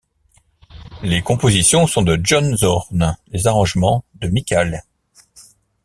Les compositions sont de John Zorn, les arrangements de Mycale.